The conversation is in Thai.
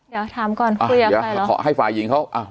เดี๋ยวถามก่อนขอให้ไฟล์ยิงเขา